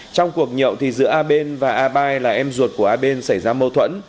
trong cuộc nhậu thì giữa a bên và a bai là em ruột của a bên xảy ra mâu thuẫn